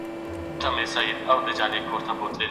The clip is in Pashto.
باسواده مور خپل اولادونه څنګه روزي؟